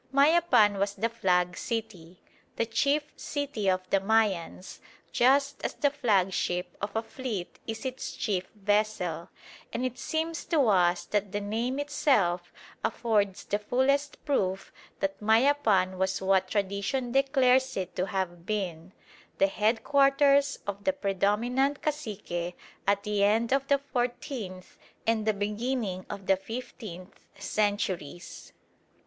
Mayapan was the "flag" city, the chief city of the Mayans, just as the flagship of a fleet is its chief vessel; and it seems to us that the name itself affords the fullest proof that Mayapan was what tradition declares it to have been, the headquarters of the predominant cacique at the end of the fourteenth and the beginning of the fifteenth centuries.